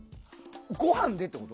ごはんでってこと？